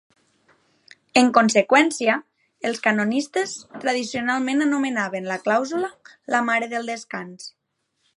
En conseqüència, els canonistes tradicionalment anomenaven la clàusula la "mare del descans".